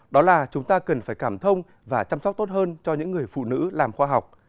đó là chúng ta cần phải cảm thông và chăm sóc tốt hơn cho những người phụ nữ làm khoa học